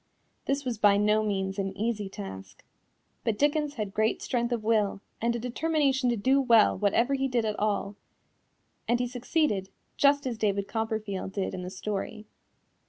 This was by no means an easy task. But Dickens had great strength of will and a determination to do well whatever he did at all, and he succeeded, just as David Copperfield did in the story.